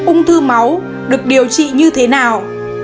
ung thư máu được điều trị như thế nào